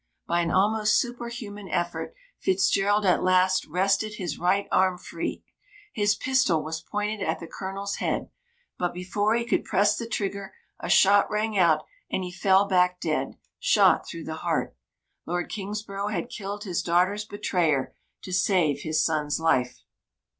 By an almost superhuman effort, Fitzgerald at last wrested his right arm free. His pistol was pointed at the Colonel's head. But before he could press the trigger, a shot rang out, and he fell back dead, shot through the heart. Lord Kingsborough had killed his daughter's betrayer to save his son's life.